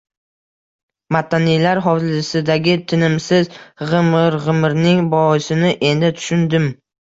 Mattanilar hovlisidagi tinimsiz g`imir-g`imirning boisini endi tushundim